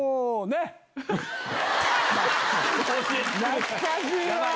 懐かしいわ！